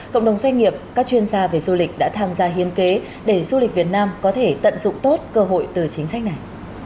cộng đồng doanh nghiệp các chuyên gia về du lịch đã tham gia hiên kế để du lịch việt nam có thể tận dụng tốt cơ hội từ chính sách này